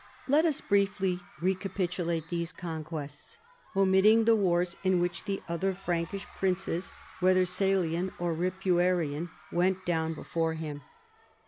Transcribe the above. Let us briefly recapitulate these conquests, omitting the wars in which the other Frankish princes, whether Salian or Ripuarian, went down before him.